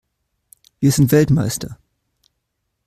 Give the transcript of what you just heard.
Wir sind Weltmeister!